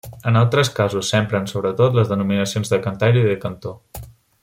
En altres casos s'empren sobretot les denominacions de cantaire i de cantor.